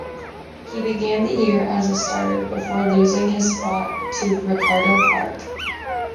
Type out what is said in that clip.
He began the year as a starter before losing his spot to Ricardo Clark.